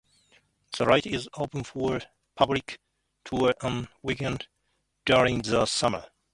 The light is open for public tours on weekends during the summer.